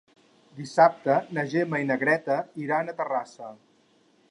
Dissabte na Gemma i na Greta iran a Terrassa.